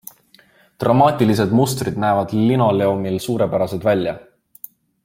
Dramaatilised mustrid näevad linoleumil suurepärased välja.